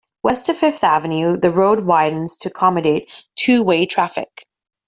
West of Fifth Avenue, the road widens to accommodate two-way traffic.